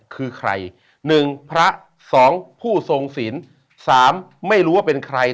คือใครหนึ่งพระสองภูโทรงสินสามไม่รู้ว่าเป็นใคร